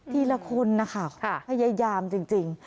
ทีละคนนะคะพยายามจริง